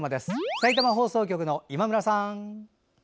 さいたま放送局の今村さん。